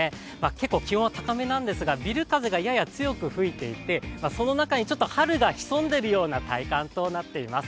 結構気温は高めなんですが、ビル風がやや強く吹いていて、その中にちょっと春が潜んでいるような体感となっています。